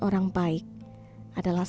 orang baik adalah